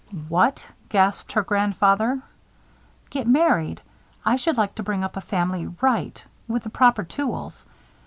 "What!" gasped her grandfather. "Get married. I should like to bring up a family right with the proper tools.